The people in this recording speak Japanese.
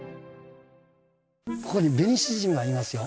ここにベニシジミがいますよ。